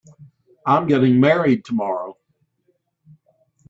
I'm getting married tomorrow.